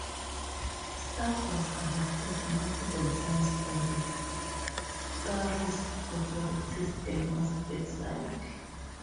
Stark was arrested multiple times by the Tsarist authorities and was exiled.